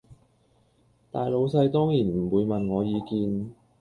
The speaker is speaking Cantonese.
大老細當然唔會問我意見